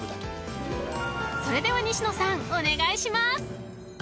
［それでは西野さんお願いします］